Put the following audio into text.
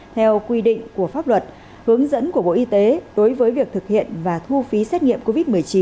theo quy định của pháp luật hướng dẫn của bộ y tế đối với việc thực hiện và thu phí xét nghiệm covid một mươi chín